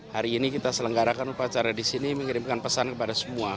hari ini kita selenggarakan upacara di sini mengirimkan pesan kepada semua